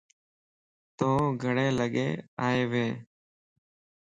تون گڙين لگين آئين وينيَ؟